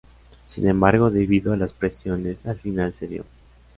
Sin embargo debido a las presiones al final cedió.